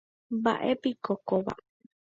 Mba'épiko kóva.